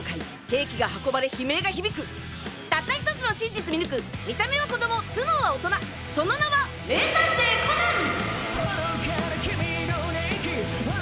ケーキが運ばれ悲鳴が響くたった１つの真実見抜く見た目は子供頭脳は大人その名は名探偵コナン！